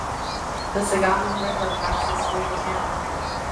The Sagami River passes through the town.